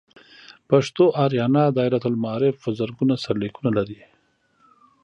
پښتو آریانا دایرة المعارف په زرګونه سرلیکونه لري.